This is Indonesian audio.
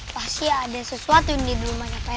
pasti ada sesuatu di rumahnya pepe